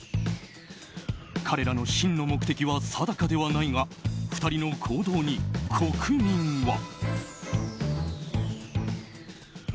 彼らの真の目的は定かではないが２人の行動に国民は。